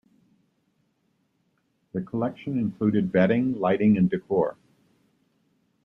The collection included bedding, lighting, and decor.